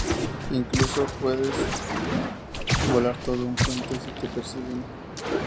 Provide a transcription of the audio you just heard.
Incluso puedes volar todo un puente, si te persiguen.